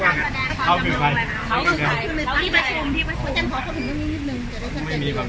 คุณชวนก็พูดชัดคุณมันอยากจะพูดชัดว่า